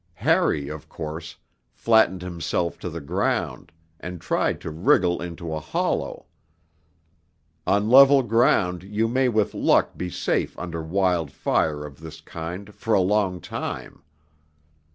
Harry, of course, flattened himself to the ground, and tried to wriggle into a hollow; on level ground you may with luck be safe under wild fire of this kind for a long time.